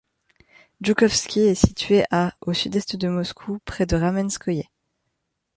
Joukovski est située à au sud-est de Moscou, près de Ramenskoïe.